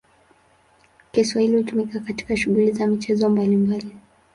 Kiswahili hutumika katika shughuli za michezo mbalimbali.